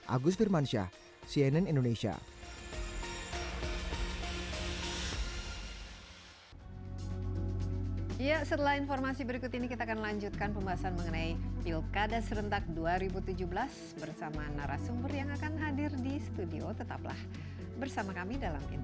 agus firmansyah pemilu pemilu dan pemilu pemilu